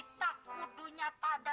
kita kudunya pada